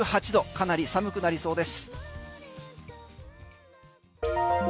かなり寒くなりそうです。